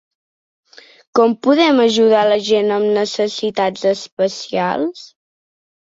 Com podem ajudar a la gent amb necessitats especials?